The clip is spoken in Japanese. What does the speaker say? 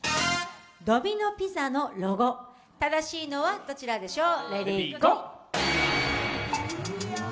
ドミノピザのロゴ、正しいのはどちらでしょう。